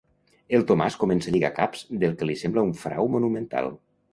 El Tomàs comença a lligar caps del que li sembla un frau monumental.